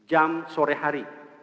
pada jam sore hari